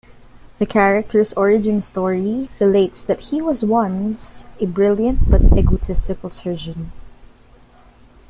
The character's origin story relates that he was once a brilliant but egotistical surgeon.